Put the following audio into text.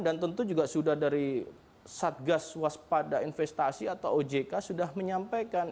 dan tentu juga sudah dari satgas waspada investasi atau ojk sudah menyampaikan